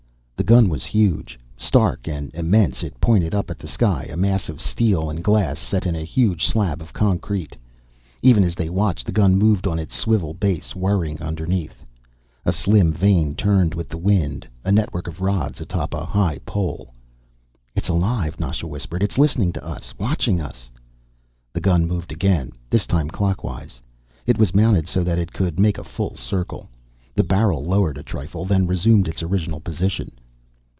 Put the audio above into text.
The gun was huge. Stark and immense it pointed up at the sky, a mass of steel and glass, set in a huge slab of concrete. Even as they watched the gun moved on its swivel base, whirring underneath. A slim vane turned with the wind, a network of rods atop a high pole. "It's alive," Nasha whispered. "It's listening to us, watching us." The gun moved again, this time clockwise. It was mounted so that it could make a full circle. The barrel lowered a trifle, then resumed its original position.